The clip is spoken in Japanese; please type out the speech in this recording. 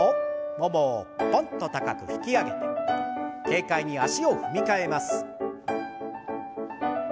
ももをポンと高く引き上げて軽快に足を踏み替えます。